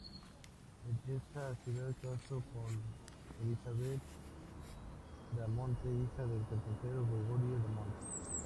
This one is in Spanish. En esa ciudad casó con Elisabetta Da Monte, hija del carpintero Gregorio da Monte.